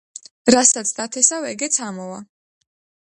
რასაც დათესავ ეგეც ამოვა.